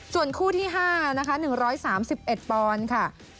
ส่วนคู่ที่๕นะคะ๑๓๑ปอนด์ค่ะ